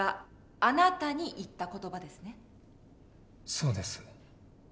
そうです。